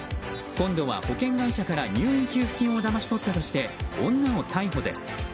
今度は保険会社から入院給付金をだまし取ったとして女を逮捕です。